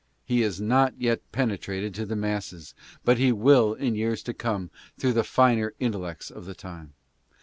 He has not yet penetrated to the masses, but he will in years to come through the finer intellects of the time.